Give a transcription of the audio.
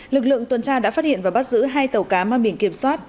lực lượng tuần tra đã phát hiện và bắt giữ hai tàu cá mang biển kiểm soát